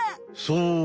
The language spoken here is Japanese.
そう！